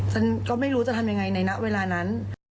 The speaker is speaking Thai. ฉันก็ไม่รู้จะทำยังไงในเวลานั้น